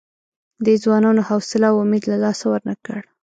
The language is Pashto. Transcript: دې ځوانانو حوصله او امید له لاسه ورنه کړ.